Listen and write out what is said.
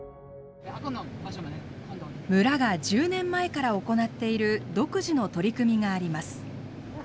村が１０年前から行っている独自の取り組みがあります。